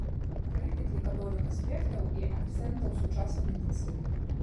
Крытык некаторых аспектаў і акцэнтаў сучаснай медыцыны.